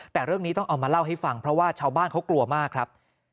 แต่เรื่องนี้ต้องเอามาเล่าให้ฟังเพราะว่าชาวบ้านเขากลัวมากครับ